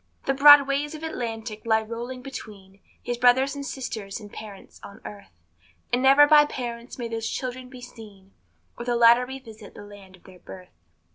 The broad waves of Atlantic lie rolling between His brothers and sisters and parents on earth; And never by parents may those children be seen, Or the latter revisit the land of their birth.